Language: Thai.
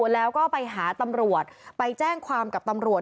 แล้วก็ไปหาตำรวจไปแจ้งความกับตำรวจ